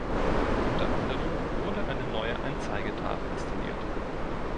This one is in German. Unter anderem wurde eine neue Anzeigetafel installiert.